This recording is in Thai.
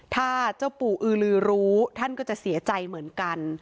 ถ้าเจ้าปู่อือลือรู้ท่านก็จะเสียใจเหมือนกัน